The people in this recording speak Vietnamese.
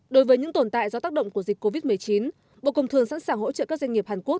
đối với những tồn tại do tác động của dịch covid một mươi chín bộ công thương sẵn sàng hỗ trợ các doanh nghiệp hàn quốc